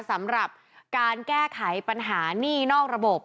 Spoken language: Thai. สำหรับการแก้ไขปัญหานี่นอกระบบ